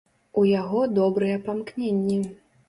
У яго добрыя памкненні.